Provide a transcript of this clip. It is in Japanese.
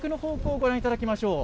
ご覧いただきましょう。